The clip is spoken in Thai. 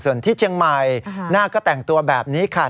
ส่วนที่เชียงใหม่หน้าก็แต่งตัวแบบนี้ค่ะ